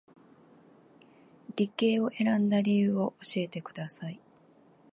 理系を選んだ理由を教えてください